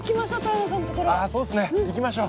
行きましょう。